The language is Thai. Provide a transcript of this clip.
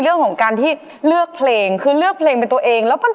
เรื่องของการที่เลือกเพลงคือเลือกเพลงเป็นตัวเองแล้วมัน